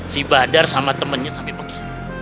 si badar sama temennya sampai pergi